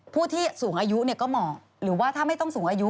ผู้ที่สูงอายุก็เหมาะหรือว่าถ้าไม่ต้องสูงอายุ